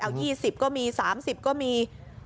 เอา๒๐ก็มี๓๐ก็มี